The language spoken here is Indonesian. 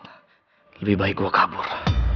lebih baik gue kabur